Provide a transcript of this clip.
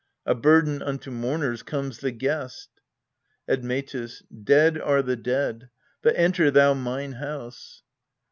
A burden unto mourners comes the guest. Admetus.. Dead are the dead but enter thou mine house.